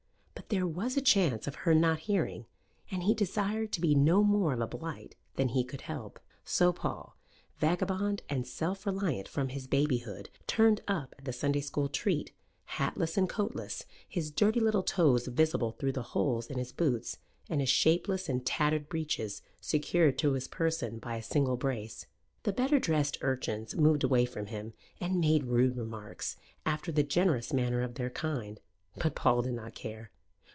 But there was a chance of her not hearing, and he desired to be no more of a blight than he could help. So Paul, vagabond and self reliant from his babyhood, turned up at the Sunday school treat, hatless and coatless, his dirty little toes visible through the holes in his boots, and his shapeless and tattered breeches secured to his person by a single brace. The better dressed urchins moved away from him and made rude remarks, after the generous manner of their kind; but Paul did not care.